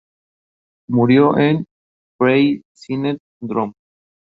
Murió en Freycinet, Drôme.